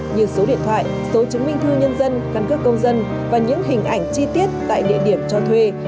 như số điện thoại số chứng minh thư nhân dân căn cước công dân và những hình ảnh chi tiết tại địa điểm cho thuê